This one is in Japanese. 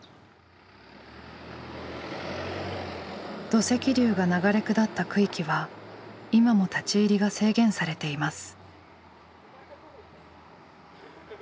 土石流が流れ下った区域は今も立ち入りが制限されています。